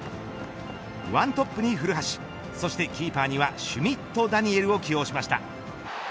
ワントップに古橋そしてキーパーにはシュミット・ダニエルを起用しました。